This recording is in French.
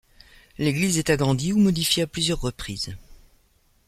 L'église est agrandie ou modifiée à plusieurs reprises.